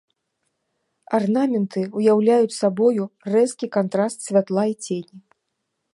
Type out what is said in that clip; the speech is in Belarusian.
Арнаменты ўяўляюць сабою рэзкі кантраст святла і цені.